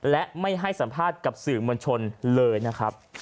และไม่ให้สัมภาษณ์กับสื่อมวลชนเลยนะครับ